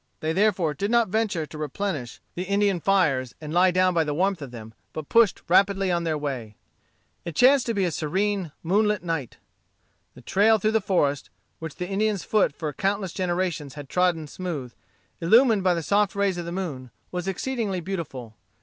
They therefore did not venture to replenish the Indian fires and lie down by the warmth of them, but pushed rapidly on their way. It chanced to be a serene, moonlight night. The trail through the forest, which the Indian's foot for countless generations had trodden smooth, illumined by the soft rays of the moon, was exceedingly beautiful.